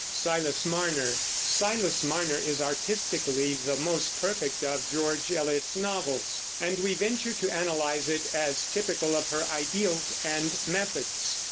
Silas Marner is artistically the most perfect of George Eliot's novels, and we venture to analyze it as typical of her ideals and methods.